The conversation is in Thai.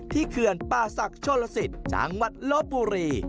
ที่เคือนป่าศักดิ์ชนศิษย์จังหวัดลบบุรี